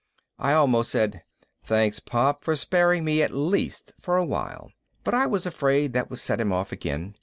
I almost said, "Thanks, Pop, for sparing me at least for a while," but I was afraid that would set him off again.